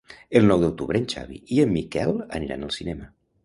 El nou d'octubre en Xavi i en Miquel aniran al cinema.